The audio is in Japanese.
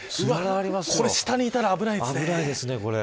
これ下にいたら危ないですね。